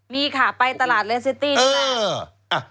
มีค่ะไปตลาดเรซิตี้นะ